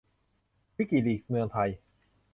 วิกิลีกส์เมืองไทย